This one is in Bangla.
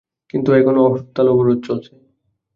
কিন্তু এখনো হরতাল অবরোধ চলছে।